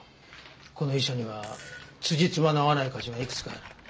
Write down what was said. この遺書にはつじつまの合わない箇所がいくつかある。